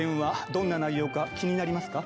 どんな内容か気になりますか？